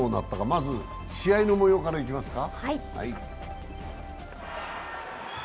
まず試合のもようからいきますか。